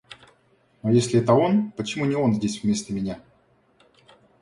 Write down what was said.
Но если это он, почему не он здесь вместо меня?